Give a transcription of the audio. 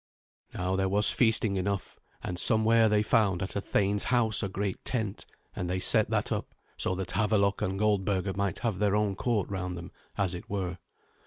Now there was feasting enough, and somewhere they found at a thane's house a great tent, and they set that up, so that Havelok and Goldberga might have their own court round them, as it were.